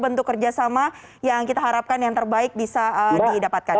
bentuk kerjasama yang kita harapkan yang terbaik bisa didapatkan